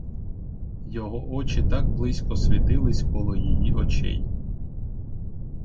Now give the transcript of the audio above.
Його очі так близько світились коло її очей!